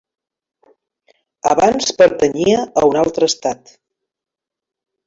Abans pertanyia a un altre estat.